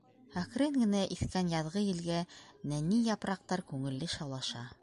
Әкрен генә иҫкән яҙғы елгә нәни япраҡтар күңелле шаулаша.